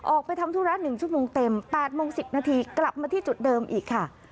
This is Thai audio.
ออกไปทำธุระ๑ชั่วโมงเต็ม๘โมง๑๐นาทีกลับมาที่จุดเดิมอีกค่ะ